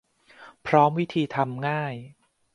พร้อมวิธีทำง่าย